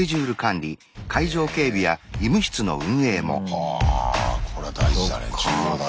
はあこれは大事だね重要だね。